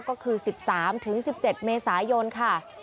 ก็คือ๑๓๑๗เมษายนค่ะ